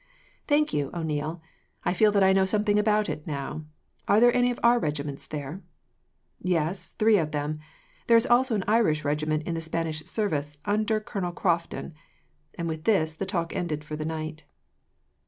"Thank you, O'Neil. I feel that I know something about it, now. Are there any of our regiments there?" "Yes, three of them. There is also an Irish regiment in the Spanish service, under Colonel Crofton;" and with this, the talk ended for the night.